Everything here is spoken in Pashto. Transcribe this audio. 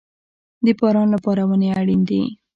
د باران لپاره ونې اړین دي